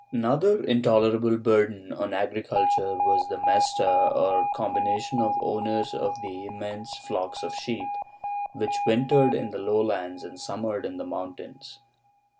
^ Another intolerable burden on agriculture was the Mesta, or combination of owners of the immense flocks of sheep, which wintered in the lowlands and summered in the mountains.